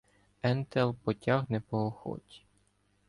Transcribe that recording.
Ентелл потяг не по охоті